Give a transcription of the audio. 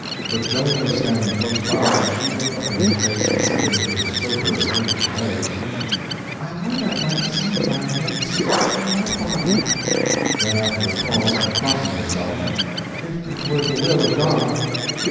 But Joan was standing close by, and she looked up in his face, and said in her sober, earnest way: "I would I might see thy head struck from thy body!"—then, after a pause, and crossing herself—"if it were the will of God."